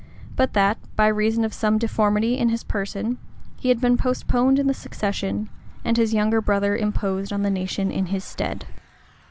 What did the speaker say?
but that, by reason of some deformity in his person, he had been postponed in the succession, and his younger brother imposed on the nation in his stead.